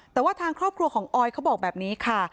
แต่ว่าทางครอบครัวของออยเขาบอกแบบนี้ค่ะ